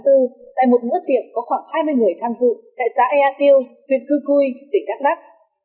tại một ngưỡng tiệc có khoảng hai mươi người tham dự tại xã ea tiêu huyện cư cui tỉnh đắk lắc